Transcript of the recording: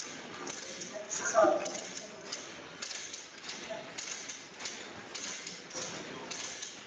hadi sasa wa kumi na tano labda kinachobadilika ni Mtala Mathalani Kingalu Mwanamsumi Kingalu